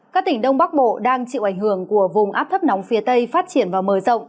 các tỉnh đông bắc bộ đang chịu ảnh hưởng của vùng áp thấp nóng phía tây phát triển và mở rộng